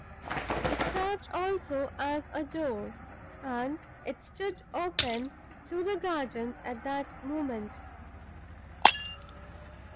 It served also as a door; and it stood open to the garden at that moment.